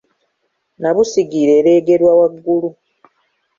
nnabusigire ereegerwa waggulu,